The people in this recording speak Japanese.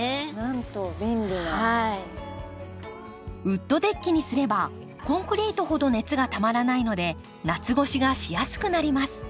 ウッドデッキにすればコンクリートほど熱がたまらないので夏越しがしやすくなります。